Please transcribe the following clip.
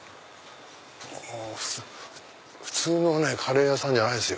普通のカレー屋さんじゃないです。